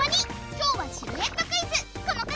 今日はシルエットクイズこの影